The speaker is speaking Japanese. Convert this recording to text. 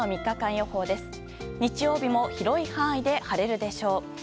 日曜日も広い範囲で晴れるでしょう。